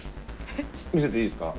見せていいですか？